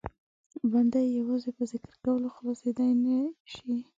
بنده یې یوازې په ذکر کولو خلاصېدای نه شي.